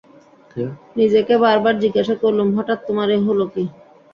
নিজেকে বারবার জিজ্ঞাসা করলুম, হঠাৎ তোমার এ হল কী?